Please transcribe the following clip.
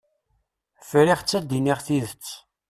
Friɣ-tt ad d-iniɣ tidet.